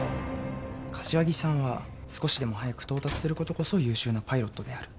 柏木さんは少しでも早く到達することこそ優秀なパイロットである。